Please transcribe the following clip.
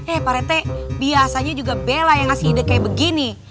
eh pak rete biasanya juga bela yang ngasih ide kayak begini